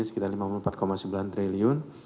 sekitar lima puluh empat sembilan triliun